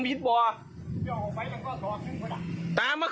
เลี้ยงเลี้ยงเลี้ยงเลี้ยงเลี้ยงเลี้ยงเลี้ยง